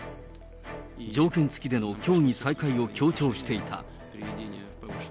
条件付きでの協議再開を強調していた。